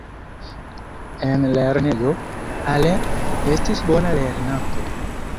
En lernejo, Alain estis bona lernanto.